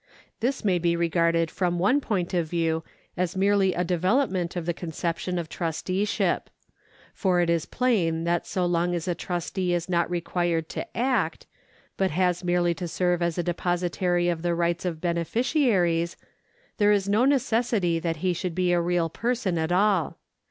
This may be regarded from one point of view as merely a development of the conception of trusteeship. For it is plain that so long as a trustee is not required to act, but has merely to serve as a depositary of the rights of beneficiaries, there is no necessity that he should be a real person at all.